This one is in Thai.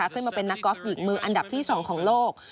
ขึ้นมาเป็นนักกอล์ฟหญิงมืออันดับที่๒ของโลก